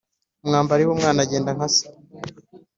Umwambari w’umwana agenda nka se.